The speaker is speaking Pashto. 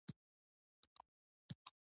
جاپان د نظم او ټکنالوژۍ درس دی.